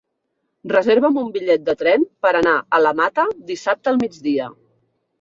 Reserva'm un bitllet de tren per anar a la Mata dissabte al migdia.